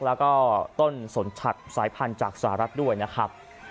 แล้วก็ต้นสนชัดสายพันธุ์จากสหรัฐด้วยนะครับ